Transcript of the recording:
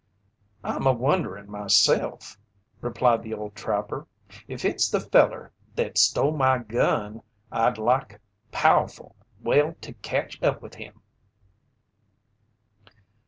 "I'm a wonderin' myself," replied the old trapper. "If it's the feller thet stole my gun, I'd like pow'ful well to catch up with him."